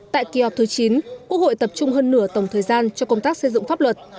tại kỳ họp thứ chín quốc hội tập trung hơn nửa tổng thời gian cho công tác xây dựng pháp luật